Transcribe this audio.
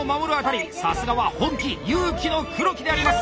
さすがは本気・勇気の黒木であります！